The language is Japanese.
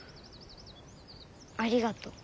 ありがとう。